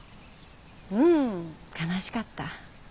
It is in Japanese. うん悲しかった。